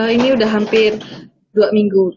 ini sudah hampir dua minggu